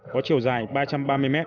có chiều dài ba trăm ba mươi m